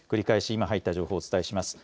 今、入った情報をお伝えします。